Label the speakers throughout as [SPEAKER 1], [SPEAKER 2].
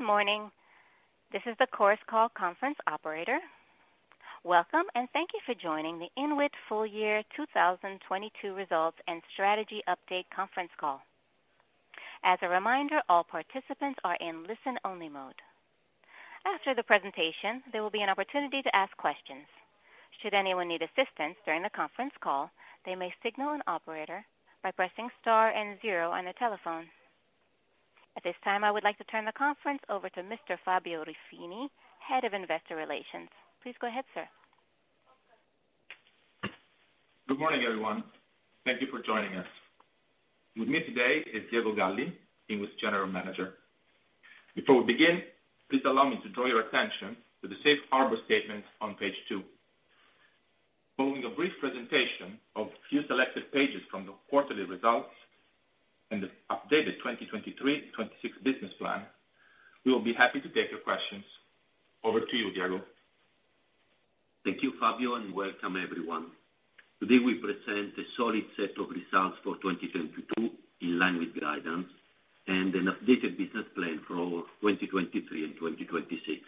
[SPEAKER 1] Welcome, and thank you for joining the INWIT full year 2022 results and strategy update conference call. As a reminder, all participants are in listen-only mode. After the presentation, there will be an opportunity to ask questions. Should anyone need assistance during the conference call, they may signal an operator by pressing star and zero on their telephone. At this time, I would like to turn the conference over to Mr. Fabio Ruffini, head of investor relations. Please go ahead, sir.
[SPEAKER 2] Good morning, everyone. Thank you for joining us. With me today is Diego Galli, INWIT's General Manager. Before we begin, please allow me to draw your attention to the safe harbor statement on page 2. Following a brief presentation of few selected pages from the quarterly results and the updated 2023, 2026 business plan, we will be happy to take your questions. Over to you, Diego.
[SPEAKER 3] Thank you, Fabio, and welcome everyone. Today we present a solid set of results for 2022 in line with guidance and an updated business plan for our 2023 and 2026.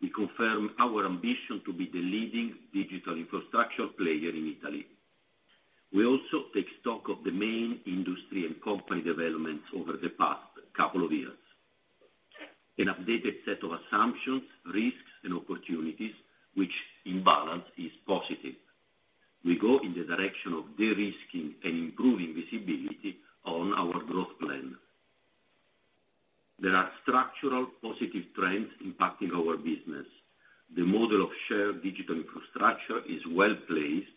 [SPEAKER 3] We confirm our ambition to be the leading digital infrastructure player in Italy. We also take stock of the main industry and company developments over the past couple of years. An updated set of assumptions, risks and opportunities which in balance is positive. We go in the direction of de-risking and improving visibility on our growth plan. There are structural positive trends impacting our business. The model of shared digital infrastructure is well-placed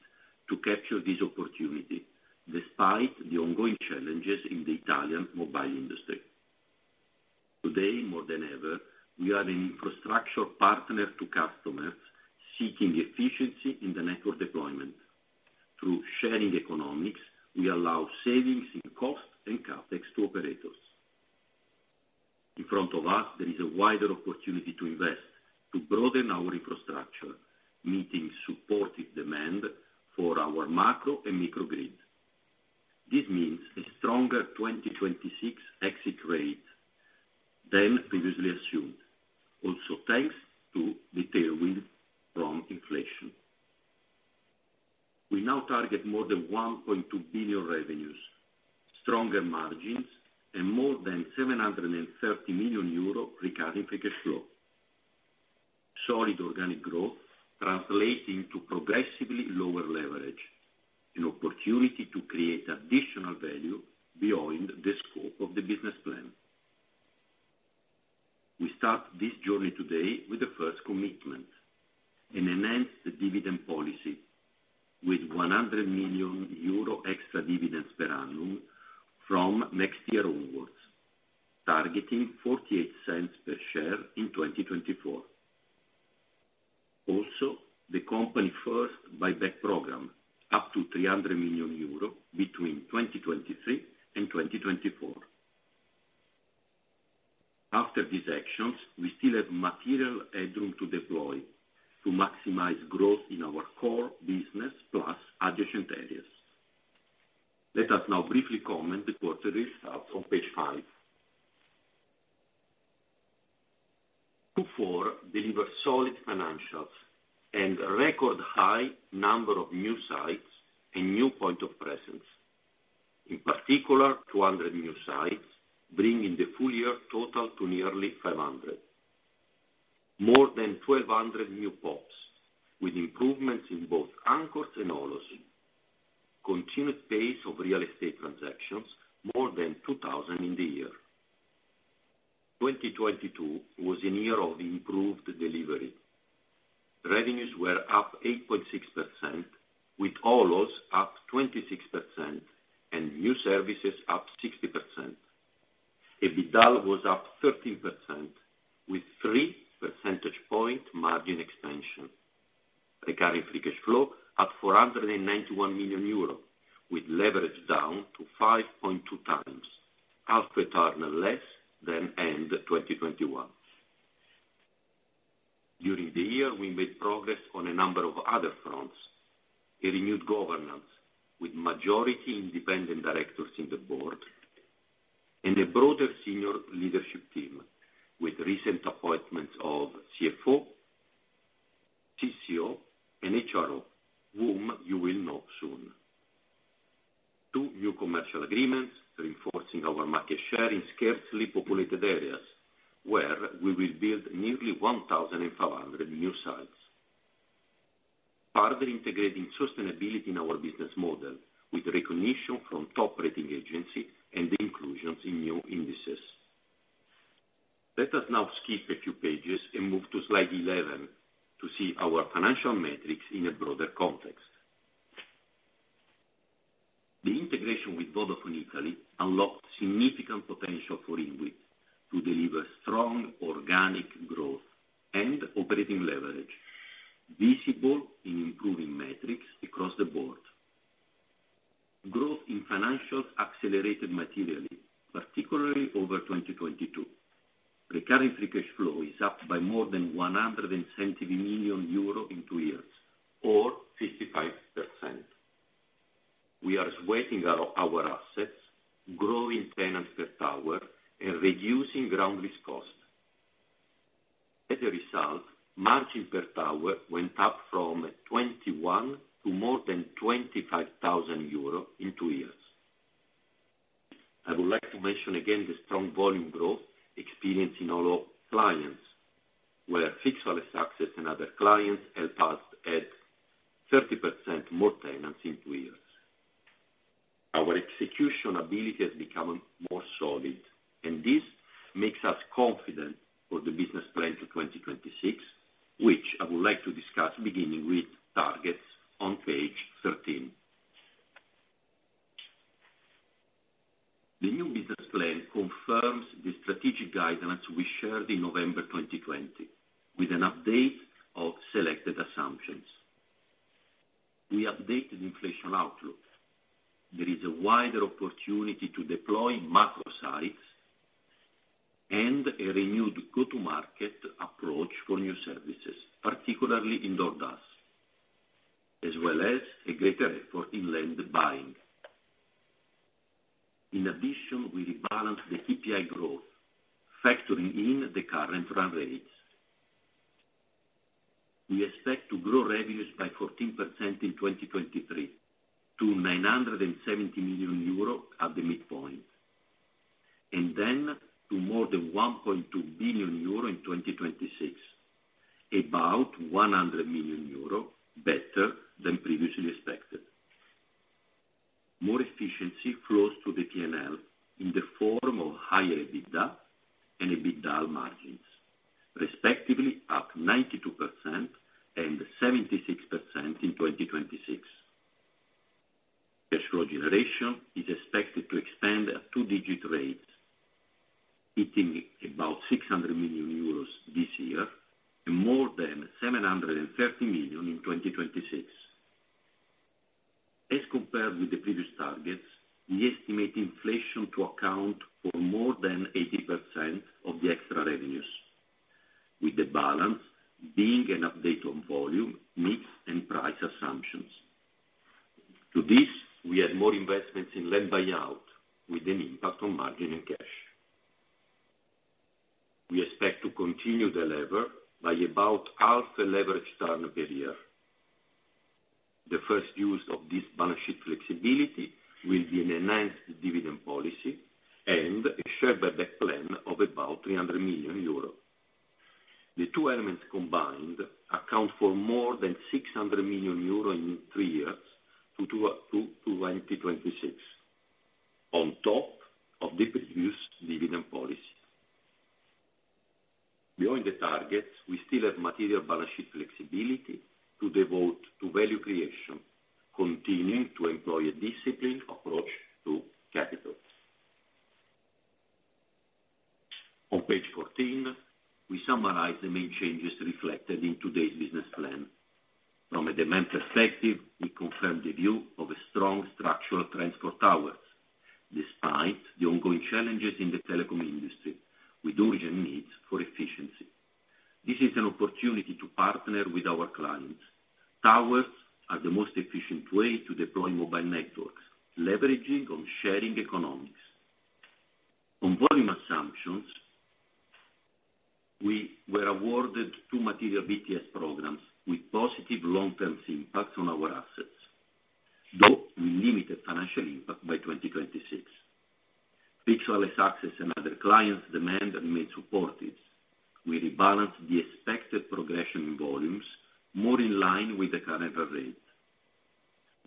[SPEAKER 3] to capture this opportunity, despite the ongoing challenges in the Italian mobile industry. Today more than ever, we are an infrastructure partner to customers seeking efficiency in the network deployment. Through sharing economics, we allow savings in cost and CapEx to operators. In front of us, there is a wider opportunity to invest, to broaden our infrastructure, meeting supportive demand for our macro and micro grid. This means a stronger 2026 exit rate than previously assumed, also thanks to the tailwind from inflation. We now target more than 1.2 billion revenues, stronger margins and more than 730 million euro regarding free cash flow. Solid organic growth translating to progressively lower leverage, an opportunity to create additional value beyond the scope of the business plan. We start this journey today with the first commitment, an enhanced dividend policy with 100 million euro extra dividends per annum from next year onwards, targeting 0.48 per share in 2024. The company first buyback program up to 300 million euro between 2023 and 2024. After these actions, we still have material headroom to deploy to maximize growth in our core business plus adjacent areas. Let us now briefly comment the quarterly results on page 5. Q4 deliver solid financials and record-high number of new sites and new point of presence. In particular, 200 new sites, bringing the full year total to nearly 500. More than 1,200 new PoPs, with improvements in both anchors and OLOS. Continued pace of real estate transactions, more than 2,000 in the year. 2022 was a year of improved delivery. Revenues were up 8.6%, with OLOS up 26% and new services up 60%. EBITDA was up 13% with 3 percentage point margin expansion. Recurring free cash flow at 491 million euros with leverage down to 5.2 times, half a ton less than end 2021. During the year, we made progress on a number of other fronts. A renewed governance with majority independent directors in the board and a broader senior leadership team with recent appointments of CFO, CCO and HRO, whom you will know soon. Two new commercial agreements reinforcing our market share in scarcely populated areas, where we will build nearly 1,500 new sites. Further integrating sustainability in our business model with recognition from top rating agency and inclusions in new indices. Let us now skip a few pages and move to slide 11 to see our financial metrics in a broader context. The integration with Vodafone Italy unlocked significant potential for INWIT to deliver strong organic growth and operating leverage visible in improving metrics across the board. Growth in financials accelerated materially, particularly over 2022. Recurring free cash flow is up by more than 170 million euro in 2 years, or 55%. We are sweating our assets, growing tenants per tower and reducing ground lease cost. As a result, margin per tower went up from 21 to more than 25,000 euros in 2 years. I would like to mention again the strong volume growth experienced in all our clients, where fixed wireless access and other clients helped us add 30% more tenants in 2 years. Our execution ability has become more solid. This makes us confident for the business plan to 2026, which I would like to discuss, beginning with targets on page 13. The new business plan confirms the strategic guidance we shared in November 2020, with an update of selected assumptions. We updated inflation outlook. There is a wider opportunity to deploy macro sites and a renewed go-to-market approach for new services, particularly indoor DAS, as well as a greater effort in land buying. We rebalance the CPI growth, factoring in the current run rates. We expect to grow revenues by 14% in 2023 to 970 million euro at the midpoint, and then to more than 1.2 billion euro in 2026, about 100 million euro better than previously expected. More efficiency flows to the PNL in the form of higher EBITDA and EBITDA margins, respectively up 92% and 76% in 2026. Cash flow generation is expected to expand at 2-digit rates, hitting about 600 million euros this year and more than 730 million in 2026. As compared with the previous targets, we estimate inflation to account for more than 80% of the extra revenues, with the balance being an update on volume, mix, and price assumptions. To this, we add more investments in land buyout with an impact on margin and cash. We expect to continue the lever by about half a leverage turn per year. The first use of this balance sheet flexibility will be an enhanced dividend policy and a share buyback plan of about 300 million euro. The two elements combined account for more than 600 million euro in three years to 2026, on top of the previous dividend policy. Beyond the targets, we still have material balance sheet flexibility to devote to value creation, continuing to employ a disciplined approach to capitals. On page 14, we summarize the main changes reflected in today's business plan. From a demand perspective, we confirm the view of a strong structural transport towers despite the ongoing challenges in the telecom industry with urgent needs for efficiency. This is an opportunity to partner with our clients. Towers are the most efficient way to deploy mobile networks, leveraging on sharing economics. On volume assumptions, we were awarded two material BTS programs with positive long-term impact on our assets, though we limited financial impact by 2026. Fixed wireless access and other clients demand remain supported. We rebalance the expected progression in volumes more in line with the current run rate.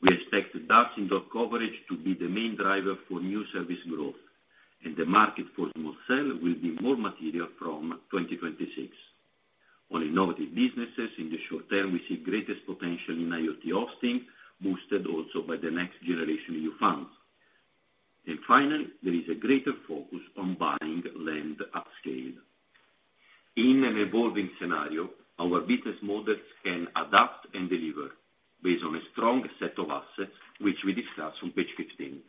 [SPEAKER 3] We expect DAS indoor coverage to be the main driver for new service growth and the market for small cell will be more material from 2026. On innovative businesses, in the short term, we see greatest potential in IoT offloading, boosted also by the NextGenerationEU funds. Finally, there is a greater focus on buying land at scale. In an evolving scenario, our business models can adapt and deliver based on a strong set of assets, which we discuss on page 15.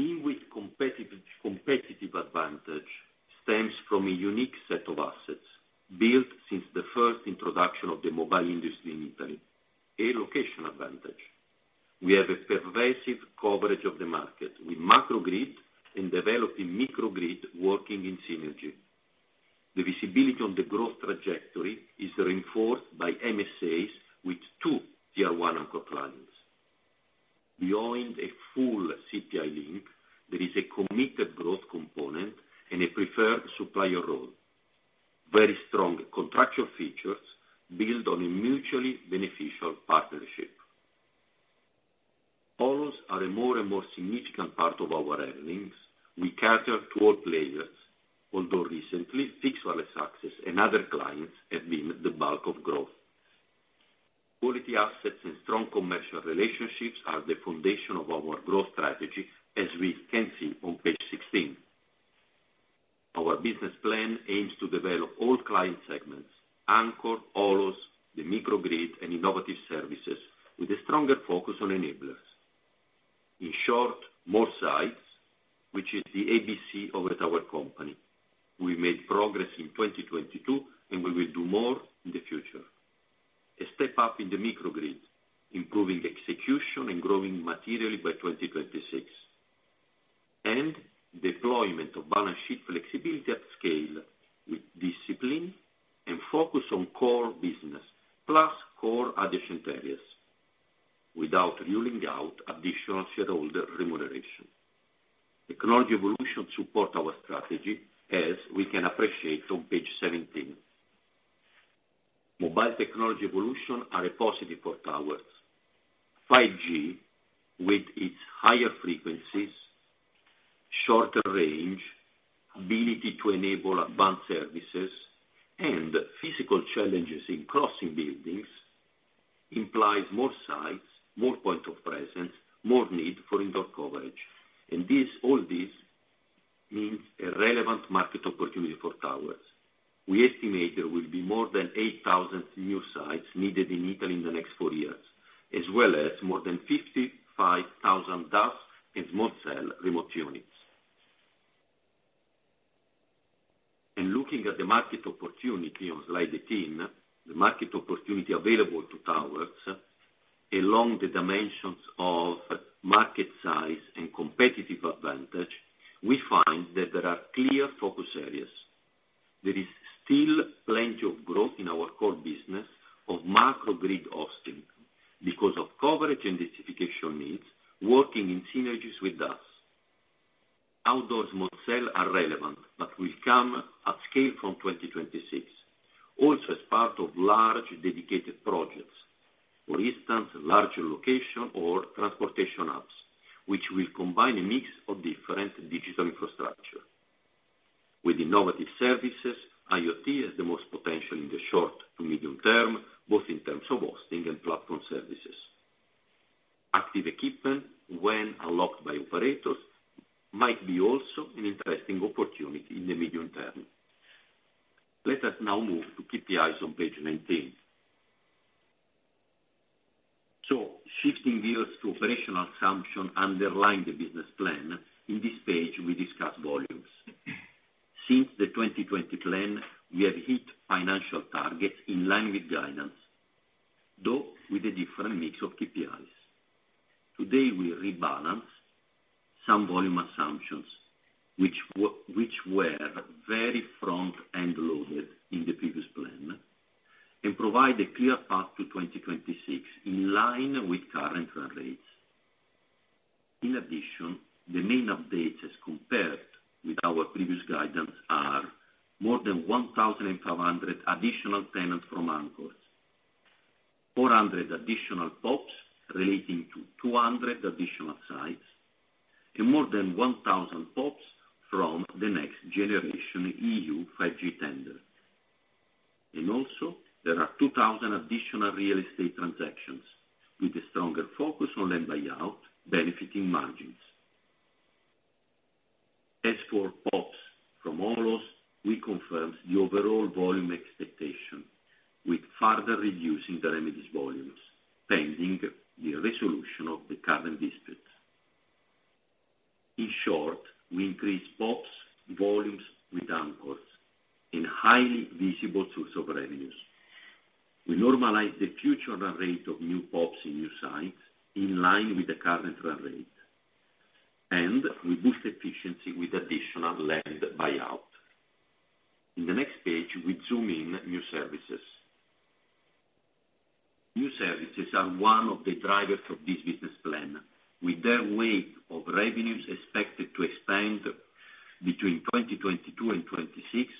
[SPEAKER 3] INWIT competitive advantage stems from a unique set of assets built since the first introduction of the mobile industry in Italy, a location advantage. We have a pervasive coverage of the market with macro grid and developing micro grid working in synergy. The visibility on the growth trajectory is reinforced by MSAs with two Tier One anchor clients. Beyond a full CPI link, there is a committed growth component and a preferred supplier role. Very strong contractual features built on a mutually beneficial partnership. OLOS are a more and more significant part of our earnings. We cater to all players, although recently, fixed wireless access and other clients have been the bulk of growth. Quality assets and strong commercial relationships are the foundation of our growth strategy, as we can see on page 16. Our business plan aims to develop all client segments, anchor, OLOS, the microgrid and innovative services with a stronger focus on enablers. In short, more sites, which is the ABC of our tower company. We made progress in 2022, and we will do more in the future. A step up in the microgrid, improving execution and growing materially by 2026. Deployment of balance sheet flexibility at scale with discipline and focus on core business, plus core adjacent areas, without ruling out additional shareholder remuneration. Technology evolution support our strategy, as we can appreciate from page 17. Mobile technology evolution are a positive for towers. 5G with its higher frequencies, shorter range, ability to enable advanced services, and physical challenges in crossing buildings, implies more sites, more point of presence, more need for indoor coverage. This, all this means a relevant market opportunity for towers. We estimate there will be more than 8,000 new sites needed in Italy in the next four years, as well as more than 55,000 DAS and small cell remote units. Looking at the market opportunity on slide 18, the market opportunity available to towers along the dimensions of market size and competitive advantage, we find that there are clear focus areas. There is still plenty of growth in our core business of macro grid hosting because of coverage and densification needs, working in synergies with us. Outdoor small cell are relevant, but will come at scale from 2026. Also as part of large dedicated projects. For instance, larger location or transportation hubs, which will combine a mix of different digital infrastructure. With innovative services, IoT has the most potential in the short to medium term, both in terms of hosting and platform services. Active equipment when unlocked by operators might be also an interesting opportunity in the medium term. Let us now move to KPIs on page 19. Shifting gears to operational assumption underlying the business plan, in this page we discuss volumes. Since the 2020 plan, we have hit financial targets in line with guidance, though with a different mix of KPIs. Today, we rebalance some volume assumptions which were very front-end loaded in the previous plan, and provide a clear path to 2026 in line with current run rates. In addition, the main updates as compared with our previous guidance are more than 1,500 additional tenants from anchors, 400 additional PoPs relating to 200 additional sites, and more than 1,000 PoPs from the NextGenerationEU 5G tender. There are 2,000 additional real estate transactions with a stronger focus on land buyout benefiting margins. As for PoPs from OLOS, we confirm the overall volume expectation with further reducing the remedies volumes, pending the resolution of the current disputes. In short, we increase PoPs volumes with anchors in highly visible source of revenues. We normalize the future run rate of new PoPs in new sites in line with the current run rate, and we boost efficiency with additional land buyout. In the next page, we zoom in new services. New services are one of the drivers of this business plan, with their weight of revenues expected to expand between 2022 and 2026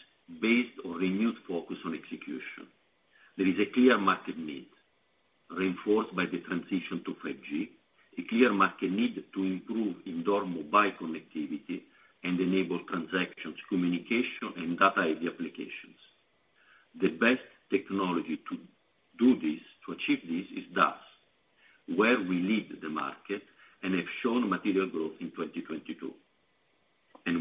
[SPEAKER 3] based on renewed focus on execution. There is a clear market need, reinforced by the transition to 5G, a clear market need to improve indoor mobile connectivity and enable transactions, communication, and data applications. The best technology to do this, to achieve this is DAS, where we lead the market and have shown material growth in 2022.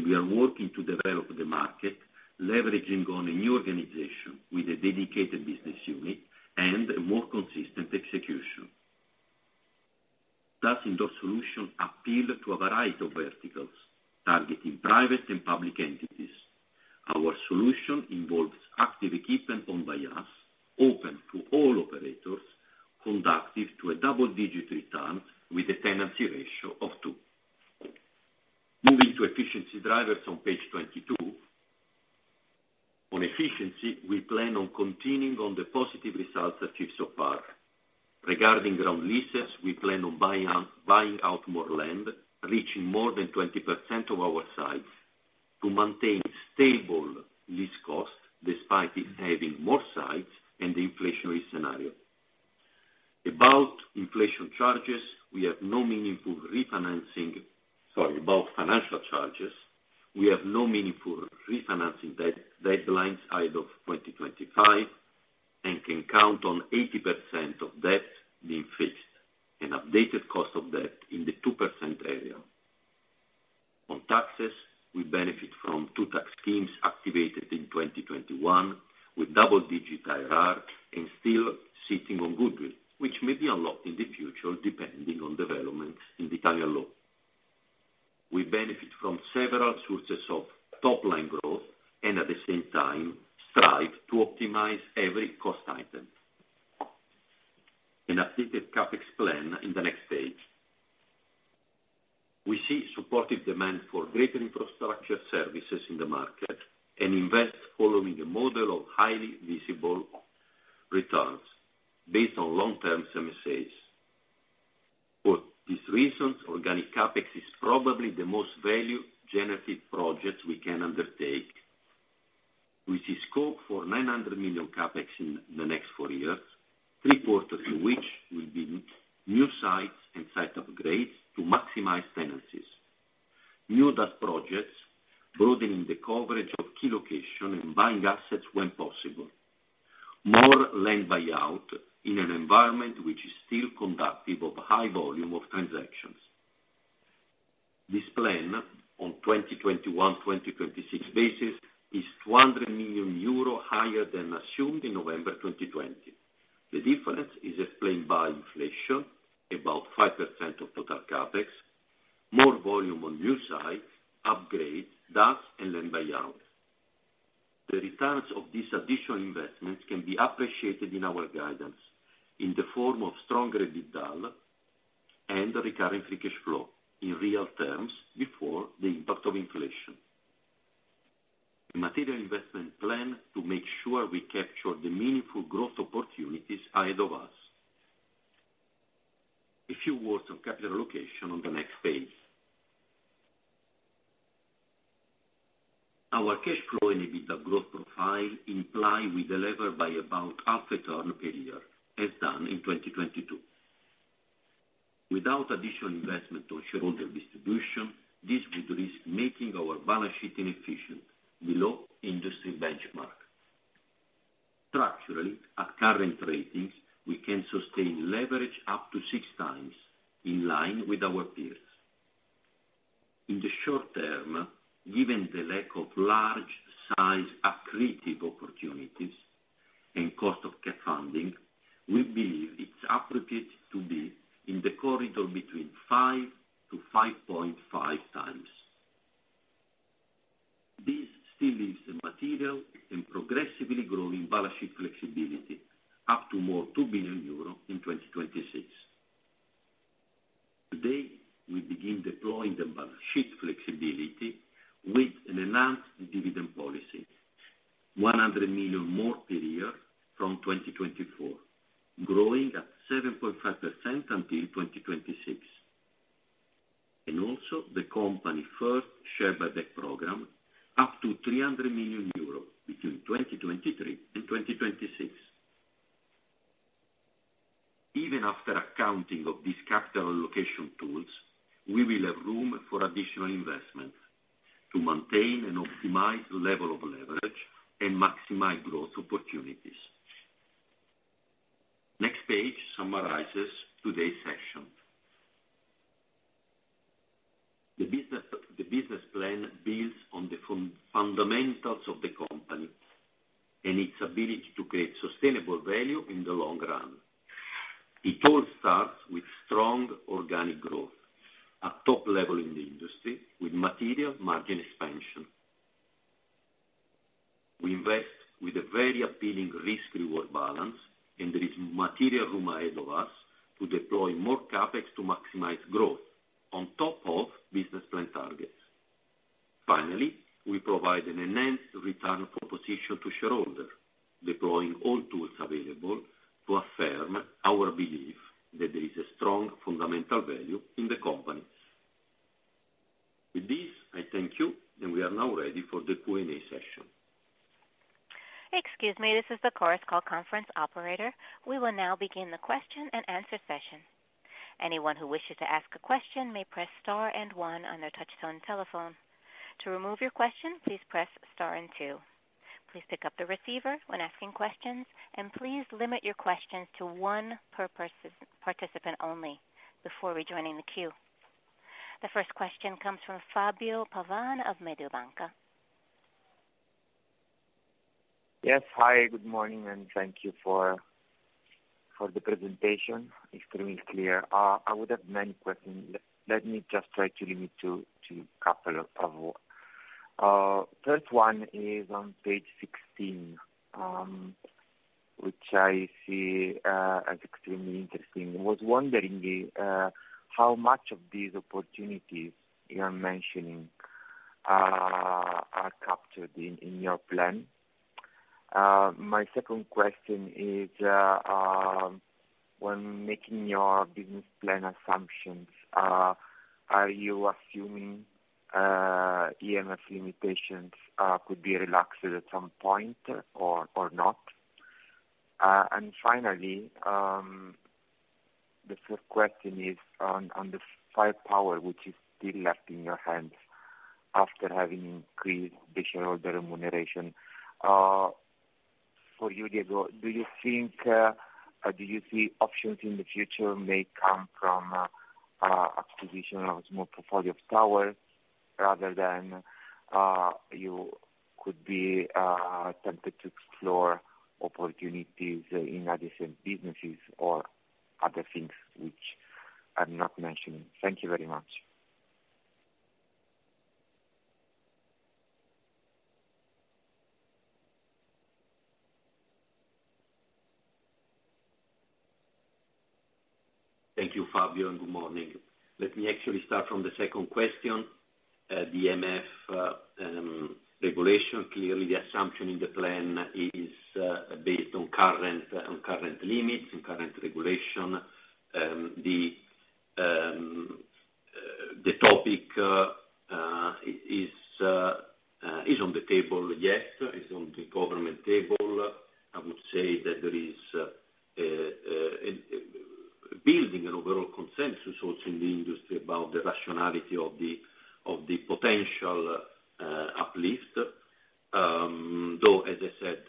[SPEAKER 3] We are working to develop the market, leveraging on a new organization with a dedicated business unit and a more consistent execution. Indoor solution appeal to a variety of verticals, targeting private and public entities. Our solution involves active equipment owned by us, open to all operators, conductive to a double-digit return with a tenancy ratio of 2. Moving to efficiency drivers on page 22. On efficiency, we plan on continuing on the positive results achieved so far. Regarding ground leases, we plan on buying out more land, reaching more than 20% of our sites to maintain stable lease costs despite us having more sites and the inflationary scenario. About inflation charges, we have no meaningful refinancing. About financial charges, we have no meaningful refinancing deadlines either of 2025, and can count on 80% of debt being fixed and updated cost of debt in the 2% area. On taxes, we benefit from two tax schemes activated in 2021 with double-digit IRR and still sitting on goodwill, which may be unlocked in the future depending on developments in Italian law. We benefit from several sources of top line growth and at the same time strive to optimize every cost item. An updated CapEx plan in the next page. We see supportive demand for greater infrastructure services in the market and invest following a model of highly visible returns based on long-term MSAs. For these reasons, organic CapEx is probably the most value generative project we can undertake, which is scope for 900 million CapEx in the next 4 years, three quarters of which will be new sites and site upgrades to maximize tenancies. New DAS projects broadening the coverage of key location and buying assets when possible. More land buyout in an environment which is still conducive of high volume of transactions. This plan on 2021, 2026 basis is 200 million euro higher than assumed in November 2020. The difference is explained by inflation, about 5% of total CapEx, more volume on new sites, upgrades, DAS and land buyouts. The returns of these additional investments can be appreciated in our guidance in the form of strong EBITDA and recurring free cash flow in real terms before the impact of inflation. Material investment plan to make sure we capture the meaningful growth opportunities ahead of us. A few words on capital allocation on the next page. Our cash flow and EBITDA growth profile imply we deliver by about half a turn per year, as done in 2022. Without additional investment or shareholder distribution, this would risk making our balance sheet inefficient below industry benchmark. Structurally, at current ratings, we can sustain leverage up to 6 times in line with our peers. In the short term, given the lack of large size accretive opportunities and cost of funding, we believe it's appropriate to be in the corridor between 5-5.5 times. This still leaves the material and progressively growing balance sheet flexibility up to more 2 billion euro in 2026. Today, we begin deploying the balance sheet flexibility with an enhanced dividend policy, 100 million more per year from 2024, growing at 7.5% until 2026. Also the company first share buyback program up to 300 million euros between 2023 and 2026. Even after accounting of these capital allocation tools, we will have room for additional investment to maintain and optimize the level of leverage and maximize growth opportunities. Next page summarizes today's session. The business plan builds on the fundamentals of the company and its ability to create sustainable value in the long run. It all starts with strong organic growth at top level in the industry with material margin expansion. We invest with a very appealing risk reward balance, and there is material room ahead of us to deploy more CapEx to maximize growth on top of business plan targets. Finally, we provide an enhanced return proposition to shareholders, deploying all tools available to affirm our belief that there is a strong fundamental value in the company. With this, I thank you, and we are now ready for the Q&A session.
[SPEAKER 1] Excuse me. This is the Chorus Call conference operator. We will now begin the question and answer session. Anyone who wishes to ask a question may press star and one on their touch tone telephone. To remove your question, please press star and two. Please pick up the receiver when asking questions and please limit your questions to one per participant only before rejoining the queue. The first question comes from Fabio Pavan of Mediobanca.
[SPEAKER 4] Yes. Hi, good morning. Thank you for the presentation. Extremely clear. I would have many questions. Let me just try to limit to a couple of. First one is on page 16, which I see as extremely interesting. I was wondering how much of these opportunities you are mentioning are captured in your plan? My second question is, when making your business plan assumptions, are you assuming EMF limitations could be relaxed at some point or not? Finally, the third question is on the firepower which is still left in your hands after having increased the shareholder remuneration. For you, Diego, do you think, do you see options in the future may come from a acquisition of a small portfolio of towers rather than you could be tempted to explore opportunities in adjacent businesses or other things which I'm not mentioning? Thank you very much.
[SPEAKER 3] Thank you, Fabio, and good morning. Let me actually start from the second question. The EMF regulation. Clearly, the assumption in the plan is based on current limits and current regulation. The topic is on the table, yes. It's on the government table. I would say that there is building an overall consensus also in the industry about the rationality of the potential uplift. As I said,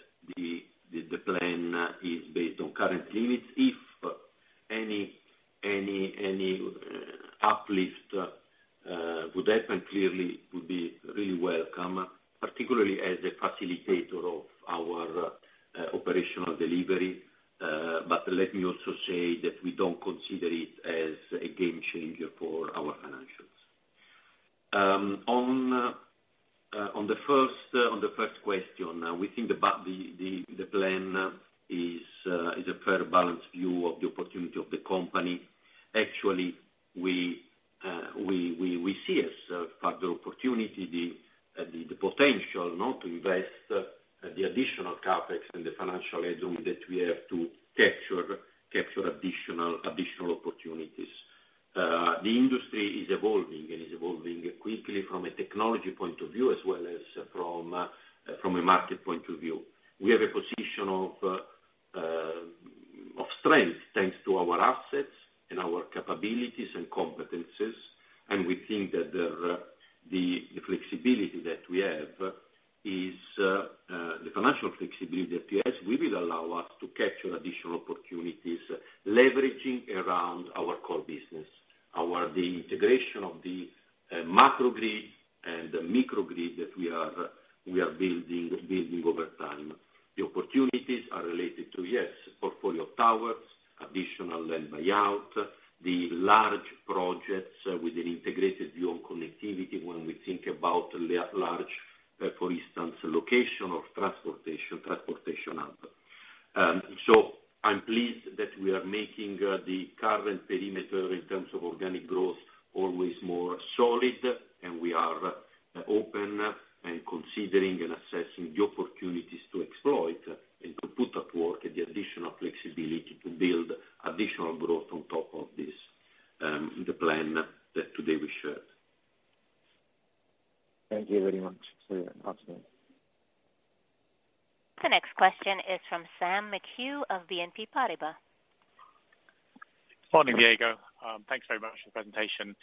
[SPEAKER 5] Thanks very much for the presentation.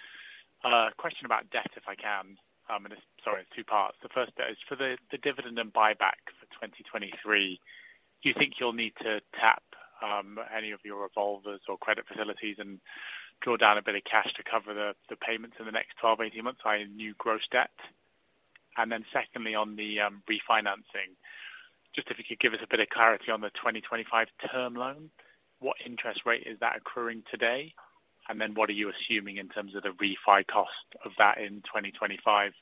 [SPEAKER 5] Question about debt, if I can. Sorry, it's 2 parts. The first bit is for the dividend and buyback for 2023. Do you think you'll need to tap any of your revolvers or credit facilities and draw down a bit of cash to cover the payments in the next 12-18 months, i.e. new gross debt? Secondly, on the refinancing, just if you could give us a bit of clarity on the 2025 term loan, what interest rate is that accruing today? What are you assuming in terms of the refi cost of that in 2025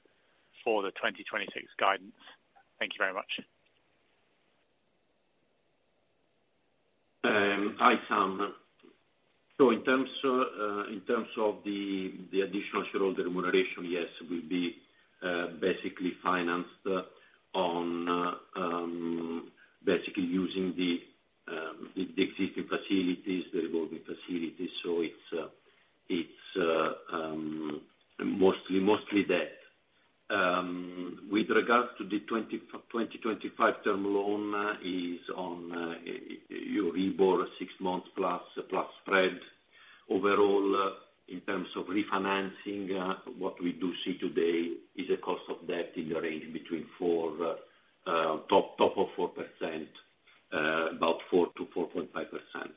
[SPEAKER 5] for the 2026 guidance? Thank you very much.
[SPEAKER 3] Hi, Sam. In terms of the additional shareholder remuneration, yes, will be basically financed on basically using the existing facilities, the revolving facilities. It's mostly that. With regards to the 2025 term loan is on Euribor, 6 months plus spread. Overall, in terms of refinancing, what we do see today is a cost of debt in the range between 4%, top of 4%, about 4%-4.5%.
[SPEAKER 5] All right.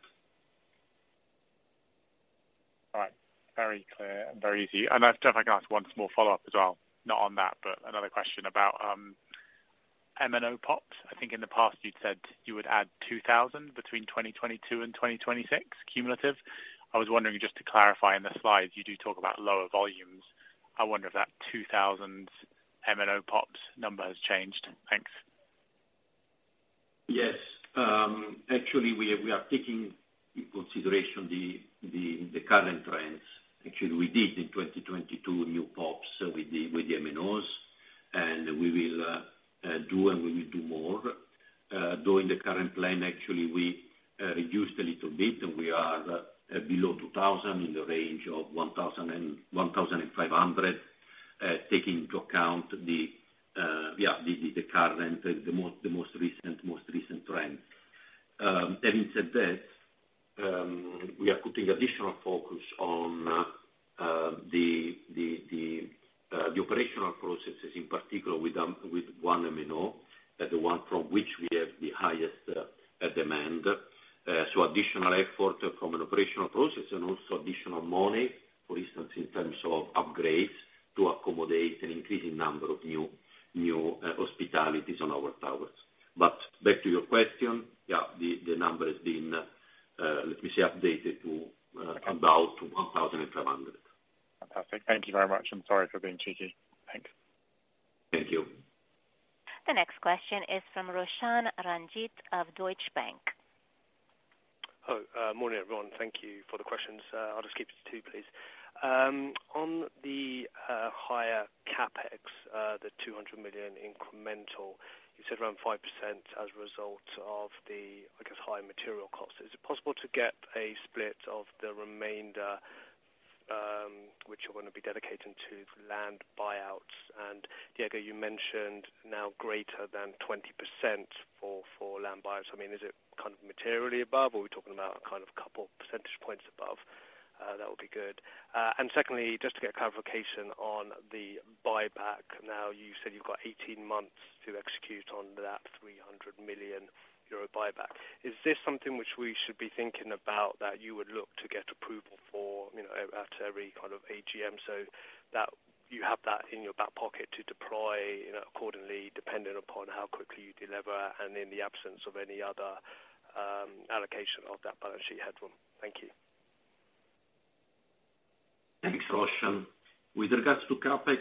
[SPEAKER 5] Very clear and very easy. If I can ask one small follow-up as well, not on that, but another question about MNO PoPs. I think in the past you'd said you would add 2,000 between 2022 and 2026 cumulative. I was wondering, just to clarify, in the slides you do talk about lower volumes. I wonder if that 2,000 MNO PoPs number has changed. Thanks.
[SPEAKER 3] Yes. Actually, we are taking into consideration the current trends. Actually, we did in 2022 new PoPs with the MNOs, and we will do more. During the current plan, actually, we reduced a little bit and we are below 2,000 in the range of 1,000-1,500, taking into account the current, the most recent trend. Having said that, we are putting additional focus on the operational processes, in particular with one MNO, the one from which we have the highest demand. Additional effort from an operational process and also additional money, for instance, in terms of upgrades to accommodate an increasing number of new hostings on our towers. Back to your question, yeah, the number has been, let me say, updated to about 1,500.
[SPEAKER 5] Fantastic. Thank you very much. Sorry for being cheeky. Thanks.
[SPEAKER 3] Thank you.
[SPEAKER 1] The next question is from Roshan Ranjit of Deutsche Bank.
[SPEAKER 6] Morning, everyone. Thank you for the questions. I'll just keep it to two, please. On the higher CapEx, the 200 million incremental, you said around 5% as a result of the, I guess, higher material costs. Is it possible to get a split of the remainder, which you're gonna be dedicating to land buyouts? Diego, you mentioned greater than 20% for land buyouts. I mean, is it kind of materially above or are we talking about kind of couple percentage points above? That would be good. Secondly, just to get clarification on the buyback. You said you've got 18 months to execute on that 300 million euro buyback. Is this something which we should be thinking about that you would look to get approval for, you know, at every kind of AGM so that you have that in your back pocket to deploy, you know, accordingly, depending upon how quickly you deliver and in the absence of any other, allocation of that balance sheet headroom? Thank you.
[SPEAKER 3] Thanks, Roshan. With regards to CapEx,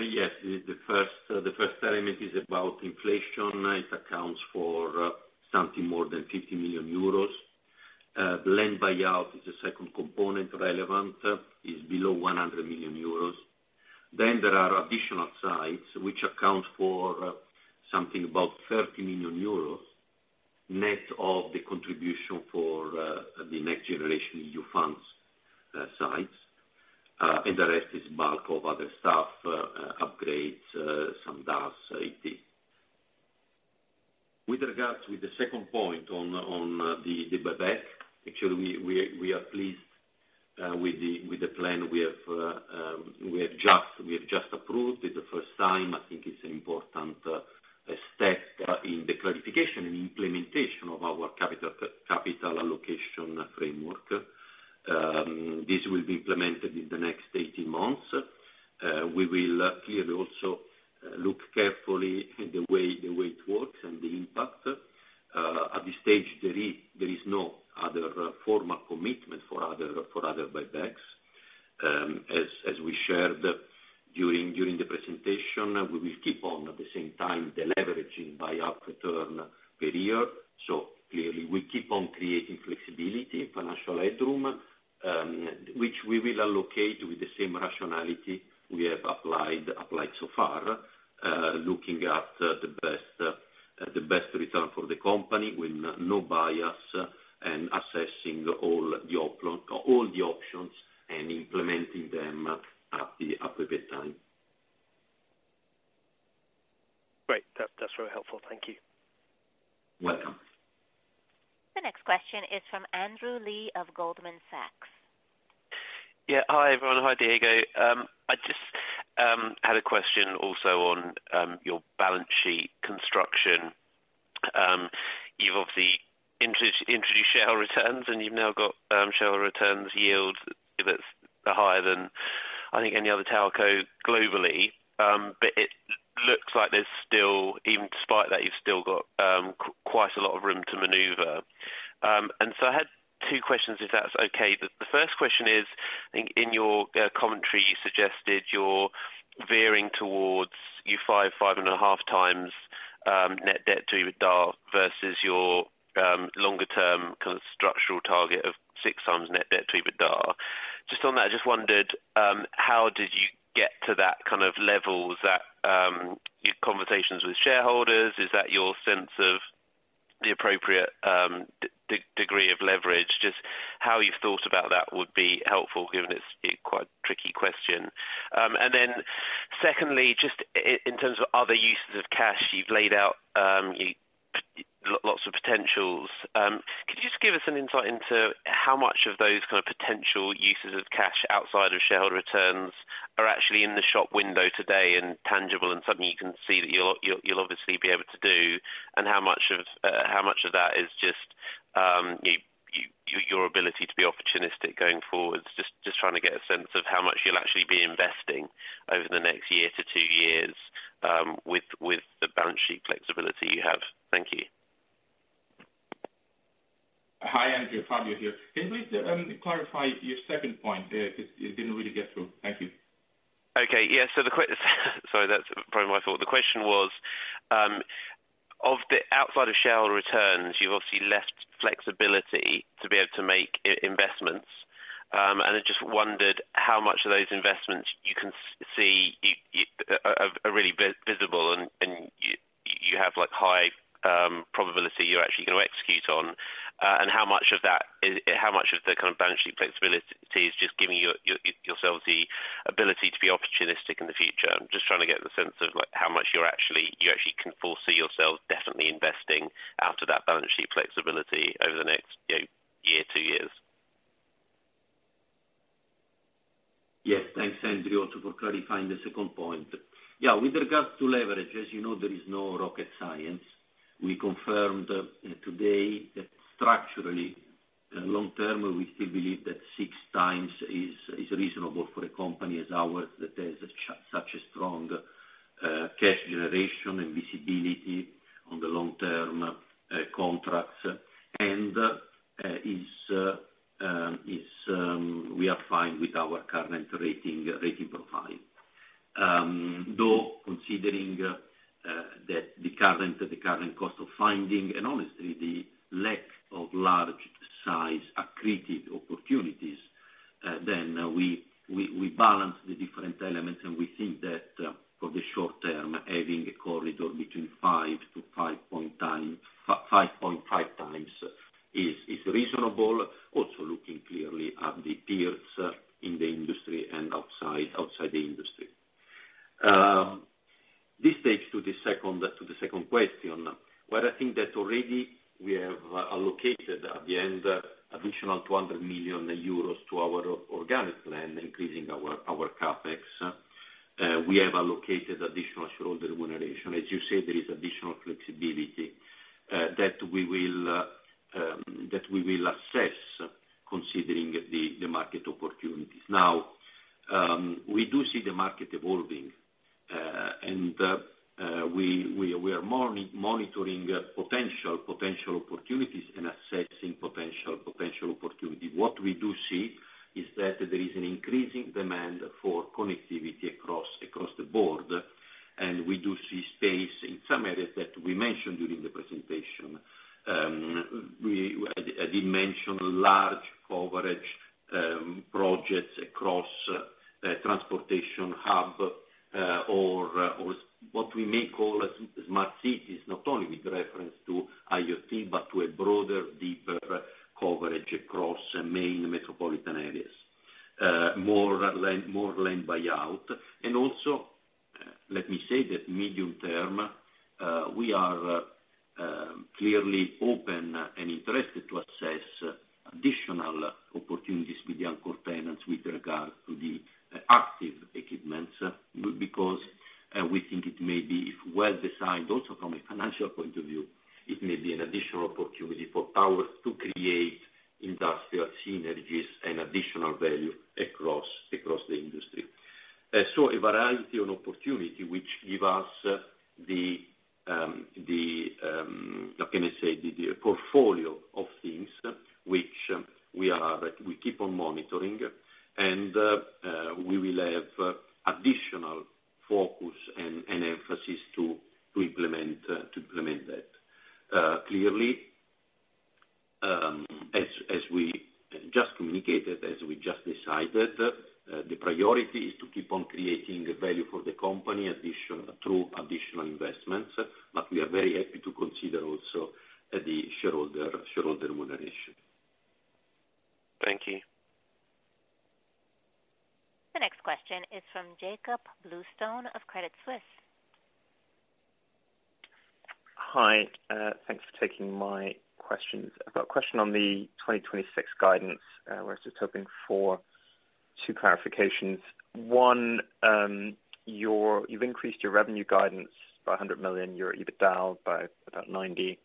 [SPEAKER 3] yes, the first element is about inflation. It accounts for something more than 50 million euros. The land buyout is the second component relevant, is below 100 million euros. There are additional sites which account for something about 30 million euros, net of the contribution for the NextGenerationEU funds sites. The rest is bulk of other stuff, upgrades, some DAS, IT. With regards with the second point on the buyback, actually we are pleased with the plan we have, we have just approved. It's the first time. I think it's important step in the clarification and implementation of our capital allocation framework. This will be implemented in the next 18 months. We will clearly also look carefully the way it works and the impact. At this stage there is no other formal commitment for other buybacks. As we shared during the presentation, we will keep on at the same time, the leveraging buy up return per year. Clearly we keep on creating flexibility, financial headroom, which we will allocate with the same rationality we have applied so far, looking at the best return for the company with no bias and assessing all the options and implementing them at the appropriate time.
[SPEAKER 6] Great. That's really helpful. Thank you.
[SPEAKER 3] Welcome.
[SPEAKER 1] The next question is from Andrew Lee of Goldman Sachs.
[SPEAKER 7] Hi, everyone. Hi, Diego. I just had a question also on your balance sheet construction. You've obviously introduced shareholder returns, and you've now got shareholder returns yield that's higher than I think any other telco globally. It looks like there's still, even despite that, you've still got quite a lot of room to maneuver. I had 2 questions, if that's okay. The first question is, I think in your commentary, you suggested you're veering towards 5x-5.5x net debt to EBITDA versus your longer term kind of structural target of 6x net debt to EBITDA. Just on that, I just wondered, how did you get to that kind of level? Is that your conversations with shareholders? Is that your sense of the appropriate degree of leverage? Just how you've thought about that would be helpful, given it's a quite tricky question. Then secondly, just in terms of other uses of cash, you've laid out lots of potentials. Could you just give us an insight into how much of those kind of potential uses of cash outside of shareholder returns are actually in the shop window today and tangible and something you can see that you'll obviously be able to do, and how much of how much of that is just your ability to be opportunistic going forward? Just trying to get a sense of how much you'll actually be investing over the next year to 2 years with the balance sheet flexibility you have. Thank you.
[SPEAKER 2] Hi, Andrew. Fabio here. Can you please clarify your second point? It didn't really get through. Thank you.
[SPEAKER 7] Okay. Yeah. Sorry, that's probably my fault. The question was, of the outside of shareholder returns, you've obviously left flexibility to be able to make investments. I just wondered how much of those investments you can see you are really visible and you have, like, high probability you're actually gonna execute on, and how much of that is. How much of the kind of balance sheet flexibility is just giving yourselves the ability to be opportunistic in the future? I'm just trying to get the sense of, like, how much you're actually, you actually can foresee yourselves definitely investing out of that balance sheet flexibility over the next, you know, year, two years.
[SPEAKER 3] Yes. Thanks, Andrew, also for clarifying the second point. With regards to leverage, as you know, there is no rocket science. We confirmed today that structurally, long term, we still believe that 6x is reasonable for a company as ours that has such a strong cash generation and visibility on the long term contracts, and is we are fine with our current rating profile. Though considering that the current cost of finding and honestly the lack of large size accreted opportunities, we balance the different elements, and we think that for the short term, having a corridor between 5x-5.5x is reasonable. Also, looking clearly at the peers in the industry and outside the industry. This takes to the second question. I think that already we have allocated at the end additional 200 million euros to our organic plan, increasing our CapEx. We have allocated additional shareholder remuneration. As you say, there is additional flexibility that we will assess considering the market opportunities. We do see the market evolving, we are monitoring potential opportunities and assessing potential opportunity. What we do see is that there is an increasing demand for connectivity across the board, we do see space in some areas that we mentioned during the presentation. We... I did mention large coverage projects across transportation hub or what we may call smart cities, not only with reference to IoT, but to a broader, deeper coverage across main metropolitan areas. More land buyout. Also, let me say that medium term, we are clearly open and interested to assess additional opportunities with the anchor tenants with regards to the active equipments, because we think it may be, if well designed also from a financial point of view, it may be an additional opportunity for ours to create industrial synergies and additional value across the industry. A variety of opportunity which give us the, how can I say? The portfolio of things which we are, we keep on monitoring and we will have additional focus and emphasis to implement that. Clearly, as we just communicated, as we just decided, the priority is to keep on creating value for the company through additional investments. We are very happy to consider also the shareholder remuneration.
[SPEAKER 7] Thank you.
[SPEAKER 1] The next question is from Jakob Bluestone of Credit Suisse.
[SPEAKER 8] Hi, thanks for taking my questions. I've got a question on the 2026 guidance. Was just hoping for two clarifications. One, you've increased your revenue guidance by 100 million, your EBITDA by about 90 million,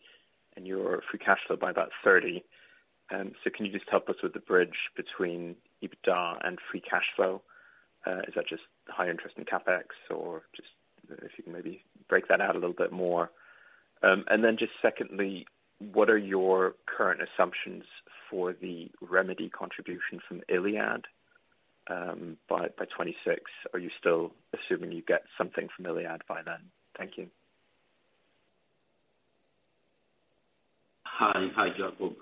[SPEAKER 8] and your free cash flow by about 30 million. Can you just help us with the bridge between EBITDA and free cash flow? Is that just high interest in CapEx or just if you can maybe break that out a little bit more? And then just secondly, what are your current assumptions for the remedy contribution from Iliad by 2026? Are you still assuming you get something from Iliad by then? Thank you.
[SPEAKER 3] Hi, Jakob.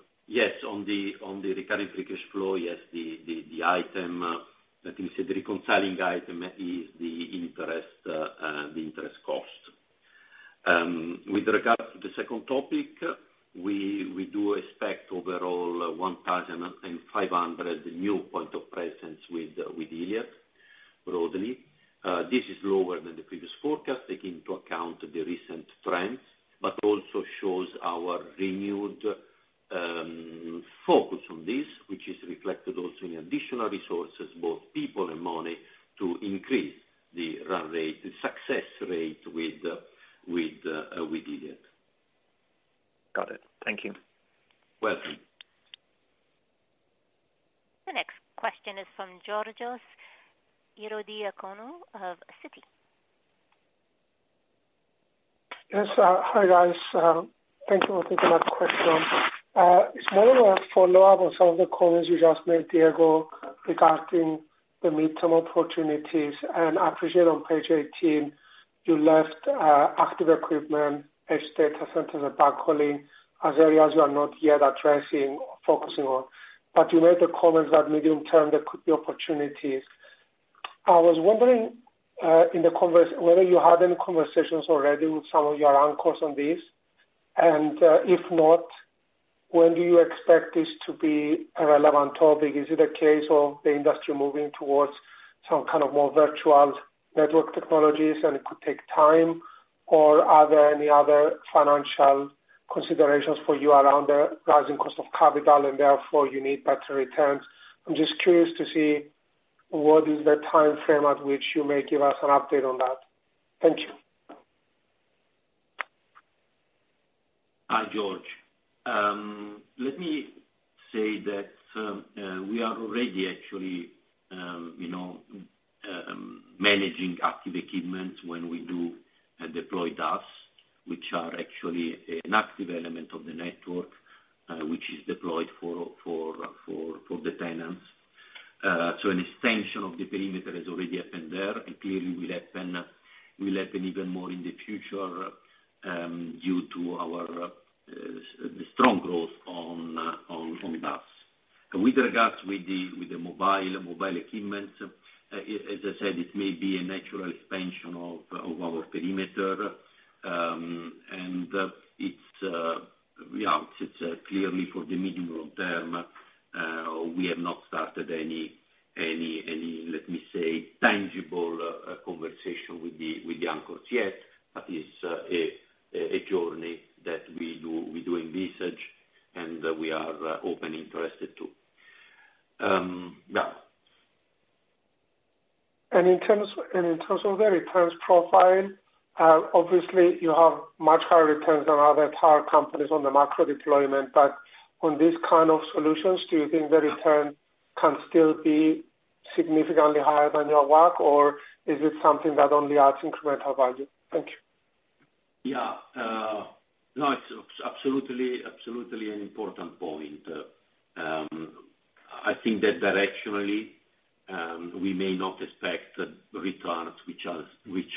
[SPEAKER 3] On the recurring free cash flow, the item, let me say the reconciling item, is the interest cost. With regards to the second topic, we do expect overall 1,500 new point of presence with Iliad broadly. This is lower than the previous forecast, taking into account the recent trend, but also shows our renewed focus on this, which is reflected also in additional resources, both people and money, to increase the run rate, the success rate with Iliad.
[SPEAKER 8] Got it. Thank you.
[SPEAKER 3] Welcome.
[SPEAKER 1] The next question is from Georgios Ierodiaconou of Citi.
[SPEAKER 9] Yes. Hi, guys. Thank you for taking my question. It's more of a follow-up on some of the comments you just made, Diego, regarding the midterm opportunities. I appreciate on page 18, you left active equipment, edge data centers, and backhauling as areas you are not yet addressing or focusing on. You made the comments that medium term there could be opportunities. I was wondering whether you had any conversations already with some of your anchors on this, if not, when do you expect this to be a relevant topic? Is it a case of the industry moving towards some kind of more virtual network technologies, and it could take time? Are there any other financial considerations for you around the rising cost of capital and therefore you need better returns? I'm just curious to see what is the timeframe at which you may give us an update on that. Thank you.
[SPEAKER 3] Hi, George. Let me say that, we are already actually, you know, managing active equipments when we do deploy DAS, which are actually an active element of the network, which is deployed for the tenants. An extension of the perimeter has already happened there, and clearly will happen even more in the future, due to our the strong growth on DAS. With regards with the mobile equipments, as I said, it may be a natural expansion of our perimeter, and it's, yeah, it's clearly for the medium long term, we have not started any, let me say, tangible conversation with the anchors yet, but it's a journey that we do, we're doing research and we are open interested to. Yeah.
[SPEAKER 9] In terms of the returns profile, obviously you have much higher returns than other tower companies on the macro deployment. On these kind of solutions, do you think the return can still be significantly higher than your WACC, or is it something that only adds incremental value? Thank you.
[SPEAKER 3] No, it's absolutely an important point. I think that directionally, we may not expect returns which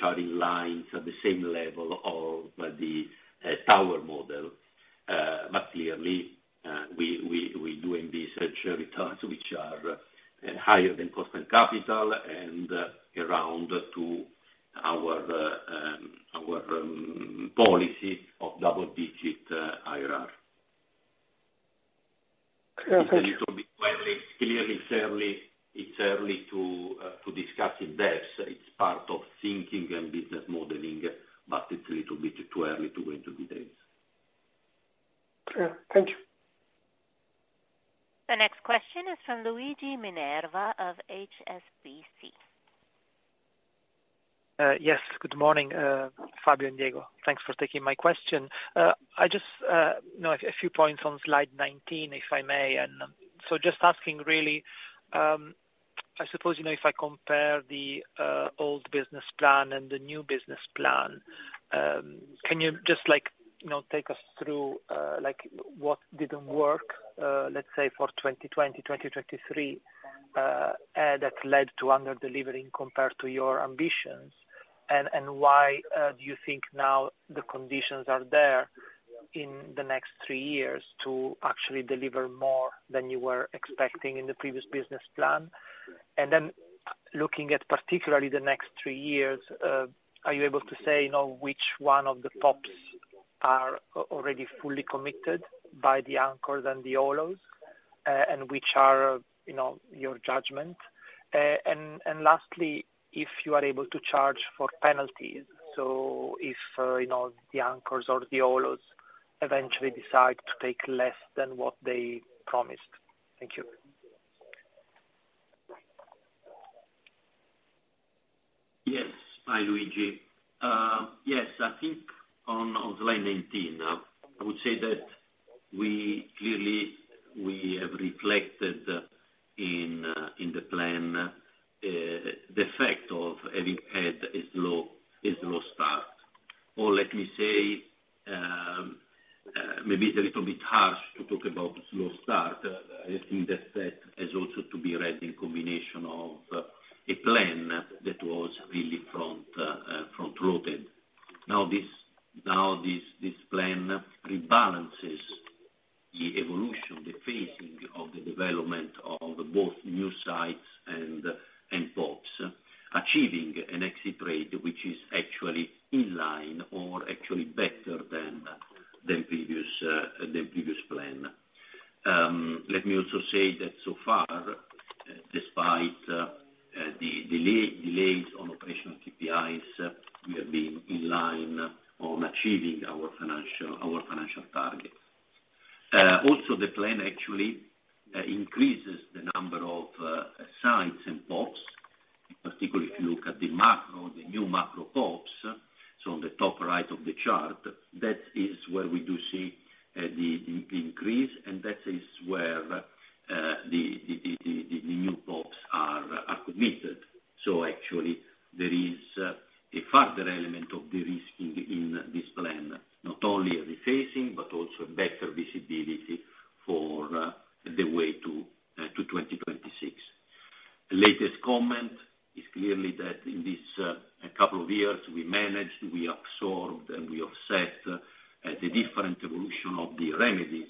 [SPEAKER 3] are in line to the same level of the tower model. Clearly, we're doing research returns which are higher than cost and capital and around to our policy of double-digit IRR.
[SPEAKER 9] Okay.
[SPEAKER 3] It's a little bit early. Clearly it's early, it's early to discuss in depth. It's part of thinking and business modeling. It's a little bit too early to go into details.
[SPEAKER 9] Clear. Thank you.
[SPEAKER 1] The next question is from Luigi Minerva of HSBC.
[SPEAKER 10] Yes. Good morning, Fabio and Diego. Thanks for taking my question. I just, you know, a few points on slide 19, if I may. just asking really, I suppose, you know, if I compare the old business plan and the new business plan, can you just like, you know, take us through like what didn't work, let's say for 2020, 2023, that led to under-delivering compared to your ambitions? Why do you think now the conditions are there in the next 3 years to actually deliver more than you were expecting in the previous business plan? Looking at particularly the next three years, are you able to say, you know, which one of the PoPs are already fully committed by the anchors and the hostings, and which are, you know, your judgment? Lastly, if you are able to charge for penalties, so if, you know, the anchors or the hostings eventually decide to take less than what they promised. Thank you.
[SPEAKER 3] Yes. Hi, Luigi. Yes. I think on slide 19, I would say that we clearly, we have reflected in the plan, the effect of having had a slow start. Let me say, maybe it's a little bit harsh to talk about slow start. I think that that is also to be read in combination of a plan that was really front loaded. Now this plan rebalances the evolution, the phasing of the development of both new sites and PoPs, achieving an exit rate which is actually in line or actually better than previous plan. Let me also say that so far, despite the delays on operational KPIs, we have been in line on achieving our financial targets. Also the plan actually increases the number of sites and POPs, particularly if you look at the macro, the new macro POPs. On the top right of the chart, that is where we do see the increase, and that is where the new POPs are committed. Actually there is a further element of de-risking in this plan, not only a rephasing but also better visibility for the way to 2026. Latest comment is clearly that in this couple of years, we managed, we absorbed, and we offset the different evolution of the remedies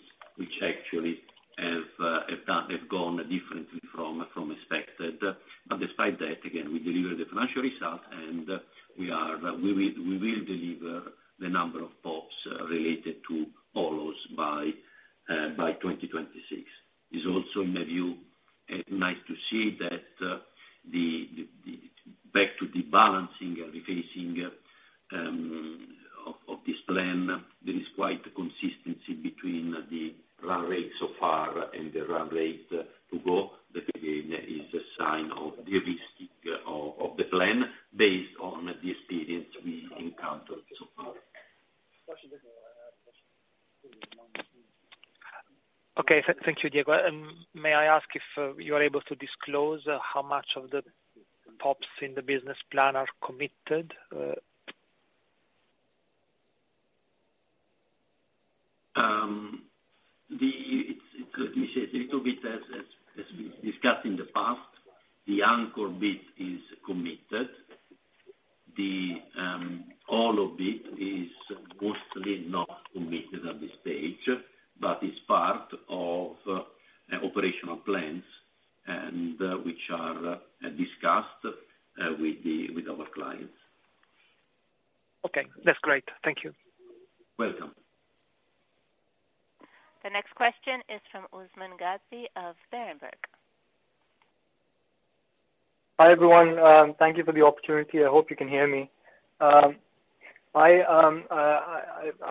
[SPEAKER 3] It's a little bit as we discussed in the past, the anchor bit is committed. The all of it is mostly not committed at this stage, but is part of operational plans and which are discussed with our clients.
[SPEAKER 10] Okay. That's great. Thank you.
[SPEAKER 3] Welcome.
[SPEAKER 1] The next question is from Usman Ghazi of Berenberg.
[SPEAKER 11] Hi, everyone. Thank you for the opportunity. I hope you can hear me.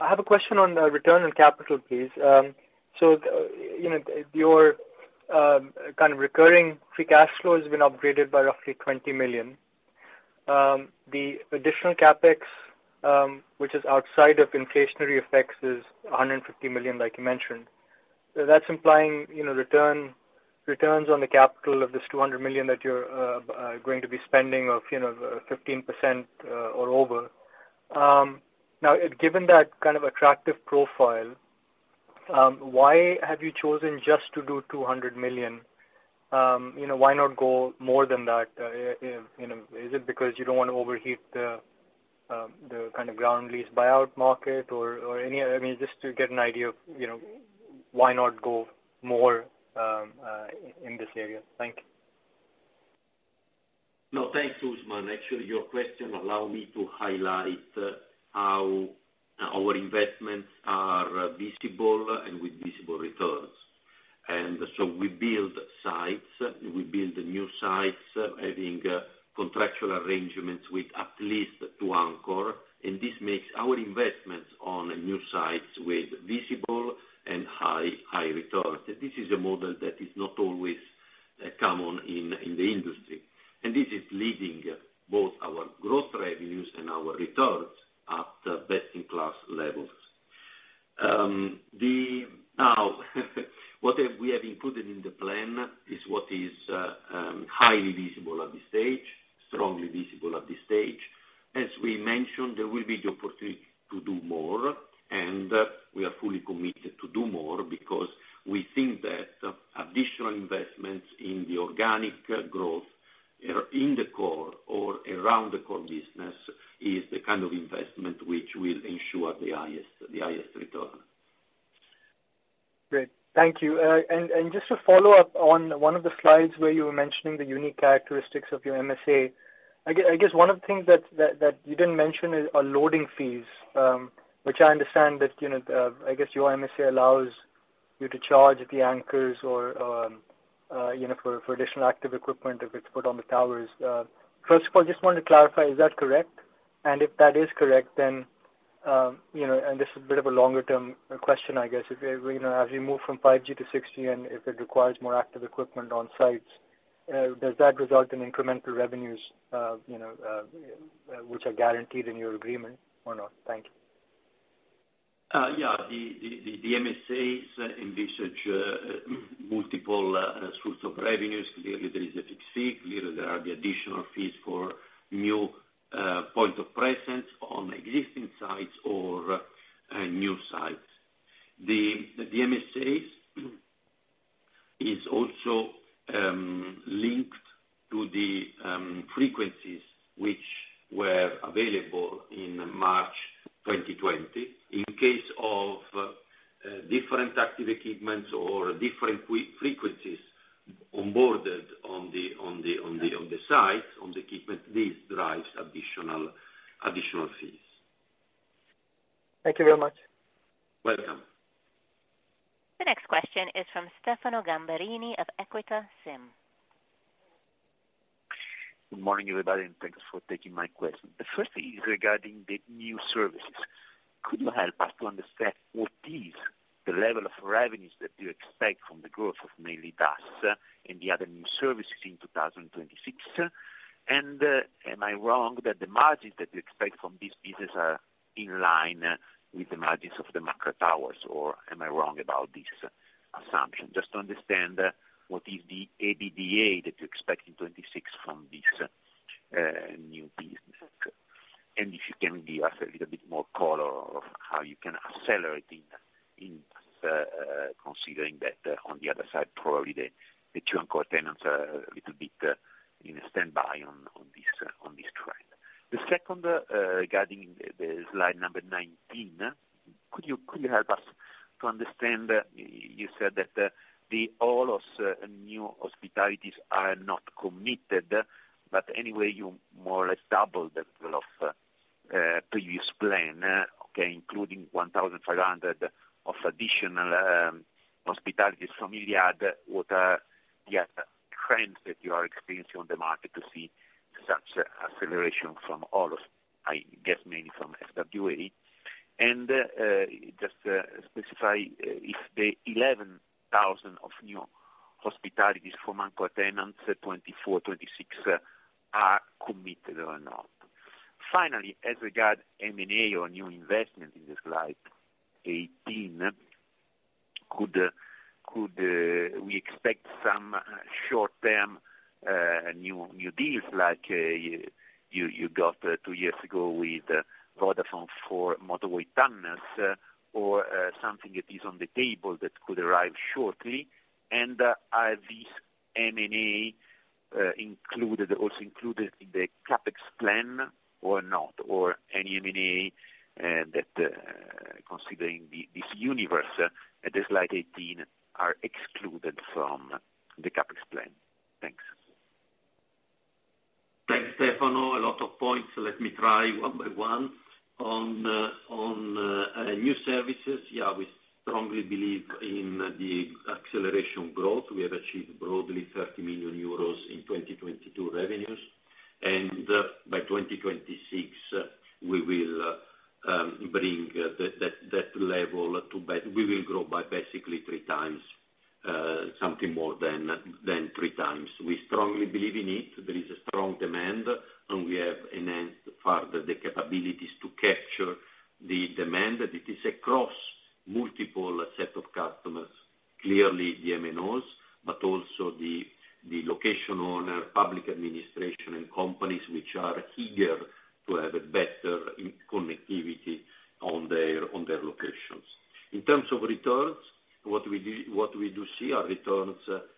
[SPEAKER 11] I have a question on the return on capital, please. You know, your kind of recurring free cash flow has been upgraded by roughly 20 million. The additional CapEx, which is outside of inflationary effects is 150 million, like you mentioned. That's implying, you know, returns on the capital of this 200 million that you're going to be spending of, you know, 15% or over. Given that kind of attractive profile, why have you chosen just to do 200 million? You know, why not go more than that? You know, is it because you don't want to overheat the kind of ground lease buyout market or any... I mean, just to get an idea of, you know, why not go more in this area? Thank you.
[SPEAKER 3] Thanks, Usman. Actually, your question allow me to highlight how our investments are visible and with visible returns. We build new sites, having contractual arrangements with at least 2 anchor. This makes our investments on new sites with visible and high returns. This is a model that is not always common in the industry. This is leading both our growth revenues and our returns at best in class levels. Now, what we have included in the plan is what is highly visible at this stage, strongly visible at this stage. As we mentioned, there will be the opportunity to do more. We are fully committed to do more because we think that additional investments in the organic growth in the core or around the core business is the kind of investment which will ensure the highest return.
[SPEAKER 11] Great. Thank you. Just to follow up on one of the slides where you were mentioning the unique characteristics of your MSA, I guess one of the things that you didn't mention are loading fees, which I understand that, you know, I guess your MSA allows you to charge the anchors or, you know, for additional active equipment if it's put on the towers. First of all, just wanted to clarify, is that correct? If that is correct, then, you know, this is a bit of a longer term question, I guess, you know, as we move from 5G to 6G, and if it requires more active equipment on sites, does that result in incremental revenues, you know, which are guaranteed in your agreement or not? Thank you.
[SPEAKER 3] Yeah, the MSAs envisage multiple sources of revenues. Clearly there is a fix fee. Clearly there are the additional fees for new point of presence on existing sites or new sites. The MSAs is also linked to the frequencies which were available in March 2020. In case of different active equipments or different frequencies onboarded on the site, on the equipment, this drives additional fees.
[SPEAKER 11] Thank you very much.
[SPEAKER 3] Welcome.
[SPEAKER 1] The next question is from Stefano Gamberini of Equita SIM.
[SPEAKER 12] Good morning, everybody. Thanks for taking my question. The first is regarding the new services. Could you help us to understand what is the level of revenues that you expect from the growth of mainly DAS and the other new services in 2026? Am I wrong that the margins that you expect from this business are in line with the margins of the macro towers, or am I wrong about this assumption? Just to understand what is the EBITDA that you expect in 2026 from this new business. If you can give us a little bit more color of how you can accelerate in considering that on the other side, probably the two anchor tenants are a little bit in a standby on this trend. The second, regarding the slide number 19, could you help us to understand? You said that the all of new hostings are not committed, but anyway, you more or less doubled the level of previous plan, including 1,500 of additional hostings from Iliad. What are the trends that you are experiencing on the market to see such acceleration from all of, I guess, mainly from FWA? Just specify if the 11,000 of new hostings from anchor tenants at 2024, 2026 are committed or not. Finally, as regard M&A or new investment in the slide 18, could we expect some short-term new deals like you got 2 years ago with Vodafone for motorway tunnels or something that is on the table that could arrive shortly? Are these M&A included, also included in the CapEx plan or not? Any M&A that considering this universe at slide 18 are excluded from the CapEx plan? Thanks.
[SPEAKER 3] Thanks, Stefano. A lot of points. Let me try one by one. On the new services, yeah, we strongly believe in the acceleration growth. We have achieved broadly 30 million euros in 2022 revenues. By 2026, we will bring that level we will grow by basically 3 times, something more than 3 times. We strongly believe in it. There is a strong demand. We have enhanced further the capabilities to capture the demand. It is across multiple set of customers, clearly the MNOs, also the location owner, public administration and companies which are eager to have a better connectivity on their locations. In terms of returns, what we do see are returns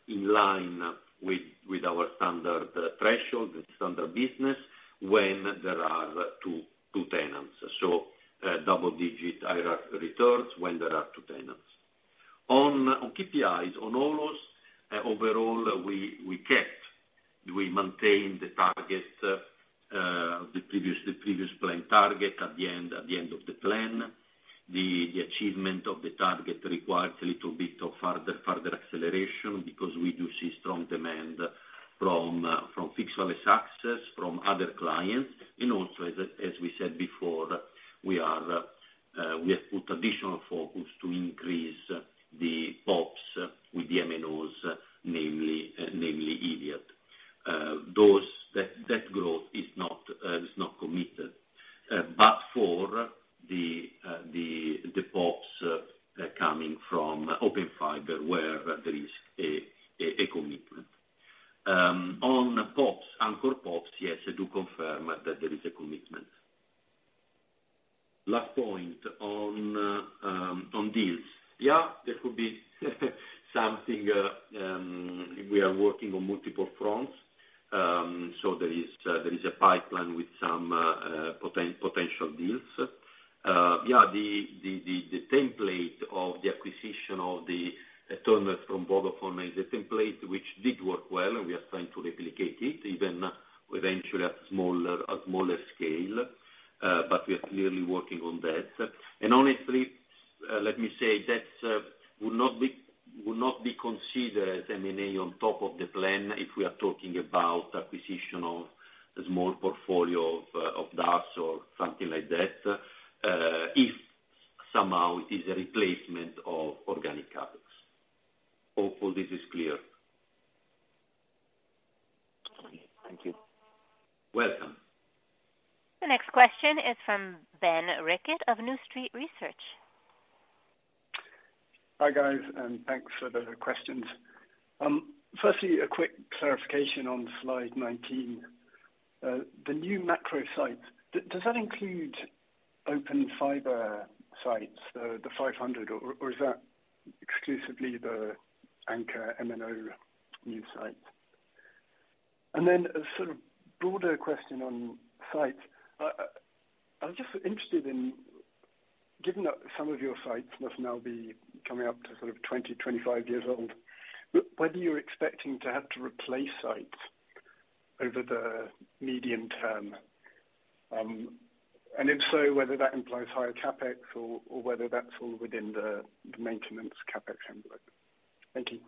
[SPEAKER 3] in line with our standard threshold, the standard business when there are 2 tenants. Double-digit IRR returns
[SPEAKER 1] is from Ben Rickett of New Street Research.
[SPEAKER 13] Hi, guys, thanks for the questions. Firstly, a quick clarification on slide 19. The new macro sites, does that include Open Fiber sites, the 500, or is that exclusively the anchor MNO new sites? A sort of broader question on sites. I'm just interested in, given that some of your sites must now be coming up to sort of 20, 25 years old, whether you're expecting to have to replace sites over the medium term. If so, whether that implies higher CapEx or whether that's all within the maintenance CapEx envelope. Thank you.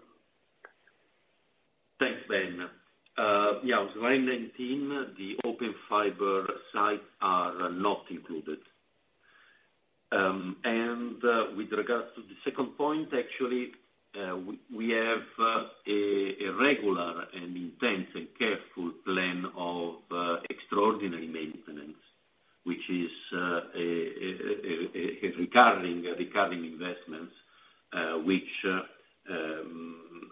[SPEAKER 3] Thanks, Ben. Yeah, slide 19, the Open Fiber sites are not included. With regards to the second point, actually, we have a regular and intense and careful plan of extraordinary maintenance, which is a recurring investments, which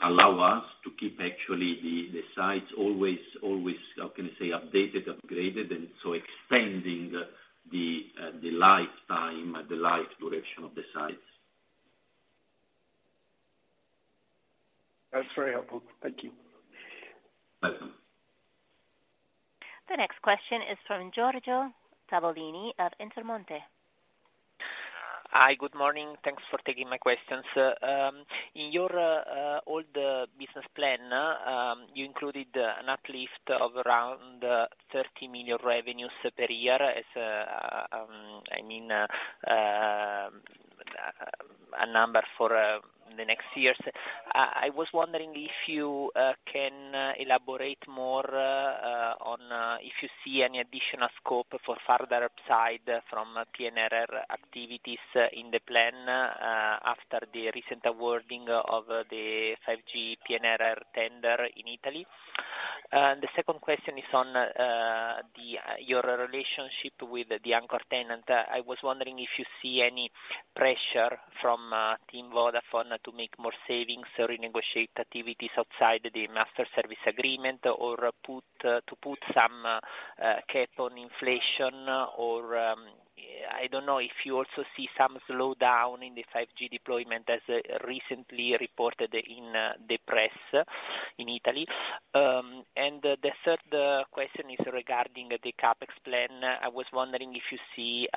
[SPEAKER 3] allow us to keep actually the sites always, how can I say, updated, upgraded, and so extending the lifetime, the life duration of the sites.
[SPEAKER 13] That's very helpful. Thank you.
[SPEAKER 3] Welcome.
[SPEAKER 1] The next question is from Giorgio Tavolini of Intermonte.
[SPEAKER 14] Hi, good morning. Thanks for taking my questions. In your old business plan, you included an uplift of around 30 million revenues per year as I mean, a number for the next years. I was wondering if you can elaborate more on if you see any additional scope for further upside from PNRR activities in the plan after the recent awarding of the 5G PNRR tender in Italy? The second question is on your relationship with the anchor tenant. I was wondering if you see any pressure from Team Vodafone to make more savings, renegotiate activities outside the Master Service Agreement or to put some cap on inflation or, I don't know if you also see some slowdown in the 5G deployment as recently reported in the press in Italy. The third question is regarding the CapEx plan. I was wondering if you see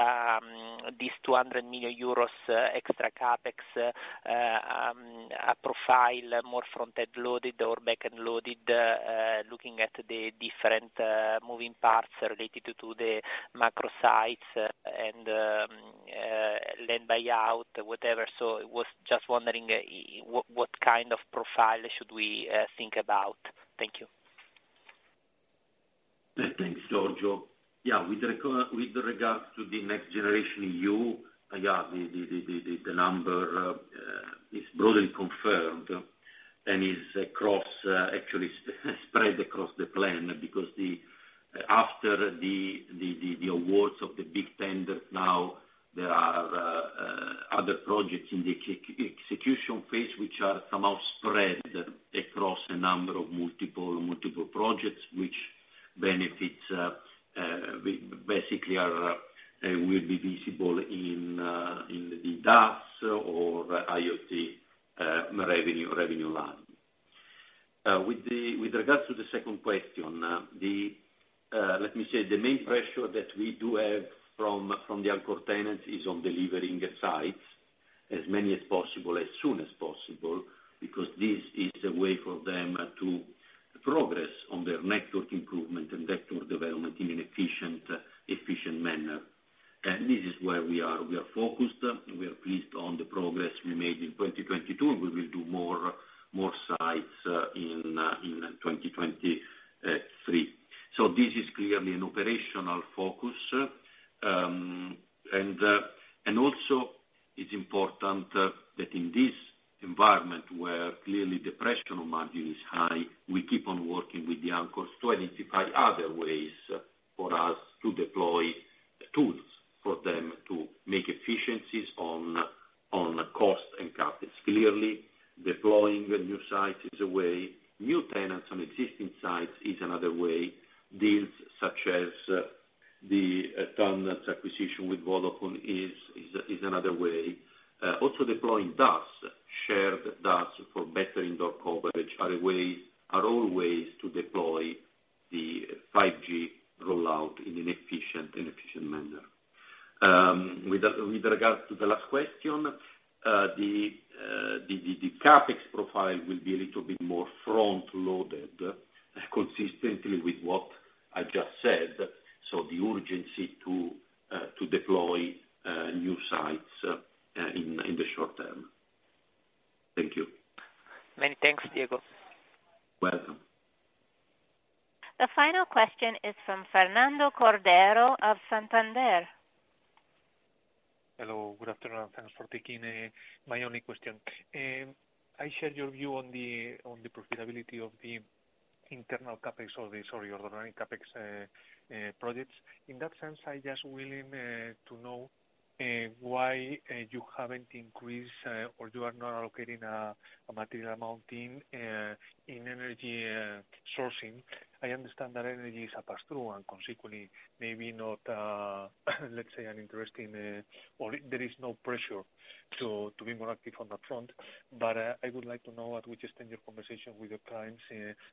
[SPEAKER 14] this 200 million euros extra CapEx a profile more front-end loaded or back-end loaded, looking at the different moving parts related to the macro sites and lend buyout, whatever. Was just wondering what kind of profile should we think about? Thank you.
[SPEAKER 3] Thanks, Georgio. With regards to the NextGenerationEU, the number is broadly confirmed and is actually spread across the plan. After the awards of the big tenders now there are other projects in the execution phase which are somehow spread across a number of multiple projects which benefits basically are, will be visible in the DAS or IoT revenue line. With regards to the second question, let me say the main pressure that we do have from the anchor tenants is on delivering sites as many as possible, as soon as possible, because this is a way for them to progress on their network improvement and network development in an efficient manner. This is where we are. We are focused. We are pleased on the progress we made in 2022. We will do more sites in 2023. This is clearly an operational focus. Also, it's important that in this environment where clearly the pressure on margin is high, we keep on working with the anchors to identify other ways for us to deploy tools for them to make efficiencies on cost and CapEx. Clearly, deploying new sites is a way, new tenants on existing sites is another way. Deals such as the towers acquisition with Vodafone is another way. Also, deploying DAS, shared DAS for better indoor coverage are all ways to deploy the 5G rollout in an efficient manner. Um, with, with regards to the last question, uh, the, uh, the, the CapEx profile will be a little bit more front loaded consistently with what I just said. So the urgency to, uh, to deploy, uh, new sites, uh, in, in the short term. Thank you.
[SPEAKER 14] Many thanks, Diego.
[SPEAKER 3] Welcome.
[SPEAKER 1] The final question is from Fernando Cordero of Santander.
[SPEAKER 15] Hello, good afternoon. Thanks for taking my only question. I share your view on the profitability of the internal CapEx or the, sorry, your dynamic CapEx projects. In that sense, I just willing to know why you haven't increased or you are not allocating a material amount in energy sourcing. I understand that energy is a pass-through and consequently maybe not, let's say an interest in, or there is no pressure to be more active on that front. I would like to know at which extent your conversation with your clients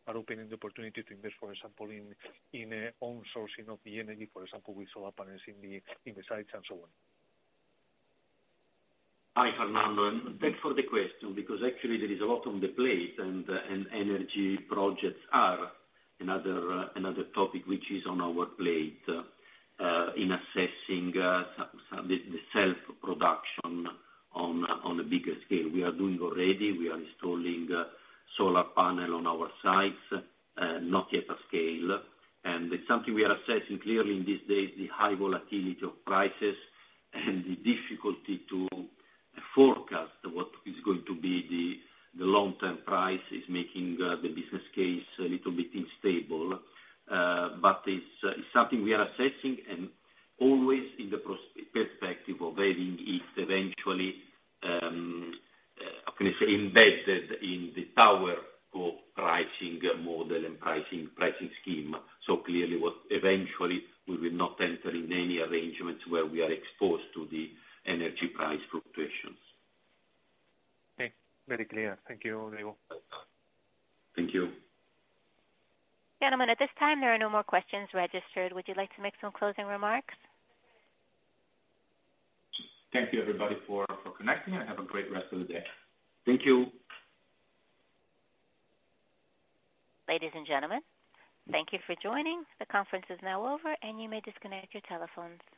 [SPEAKER 15] are opening the opportunity to invest, for example, in own sourcing of the energy, for example with solar panels in the sites and so on.
[SPEAKER 3] Hi, Fernando, thanks for the question, because actually there is a lot on the plate and energy projects are another topic which is on our plate, in assessing the self-production on a bigger scale. We are doing already. We are installing solar panel on our sites, not yet at scale. It's something we are assessing clearly in these days, the high volatility of prices and the difficulty to forecast what is going to be the long-term price is making the business case a little bit unstable. It's something we are assessing and always in the perspective of having it eventually, how can I say, embedded in the tower of pricing model and pricing scheme. Clearly what eventually we will not enter in any arrangements where we are exposed to the energy price fluctuations.
[SPEAKER 15] Okay. Very clear. Thank you, Diego.
[SPEAKER 3] Thank you.
[SPEAKER 1] Gentlemen, at this time, there are no more questions registered. Would you like to make some closing remarks?
[SPEAKER 3] Thank you, everybody, for connecting, and have a great rest of the day.
[SPEAKER 2] Thank you.
[SPEAKER 1] Ladies and gentlemen, thank you for joining. The conference is now over, and you may disconnect your telephones.